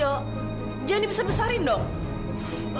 jangan dibesar besarin dong